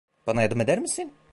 Bana yardım eder misin?